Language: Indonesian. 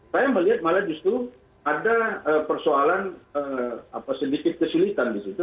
saya melihat malah justru ada persoalan sedikit kesulitan disitu